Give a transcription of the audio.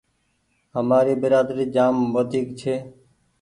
همآري برآدري جآم وڍيڪ ڇي۔